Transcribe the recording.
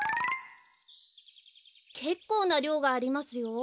けっこうなりょうがありますよ。